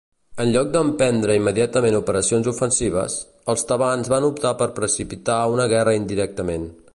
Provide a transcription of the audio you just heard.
En lloc d'emprendre immediatament operacions ofensives, els tebans van optar per precipitar una guerra indirectament.